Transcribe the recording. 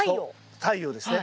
太陽ですね。